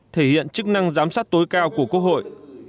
thể hiện chức năng giám sát tối cao của quốc hội